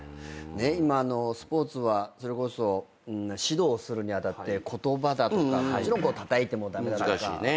今スポーツはそれこそ指導するに当たって言葉だとかもちろんたたいても駄目だとか。